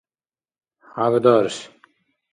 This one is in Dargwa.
хӀябдарш